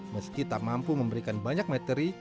meski tak mampu memberikan banyak materi